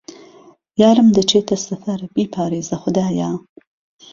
یارم دهچێته سهفهربیپارێزه خودایه